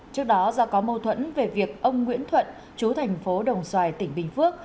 trước đó do có mâu thuẫn về việc ông nguyễn thuận chú thành phố đồng xoài tỉnh bình phước